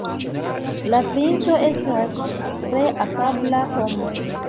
La princo estas tre afabla homo.